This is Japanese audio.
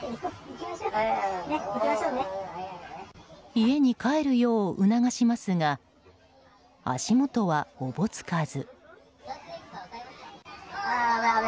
家に帰るよう促しますが足元はおぼつかず。